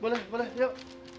boleh boleh yuk